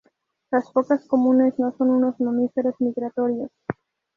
Las focas comunes no son unos mamíferos migratorios.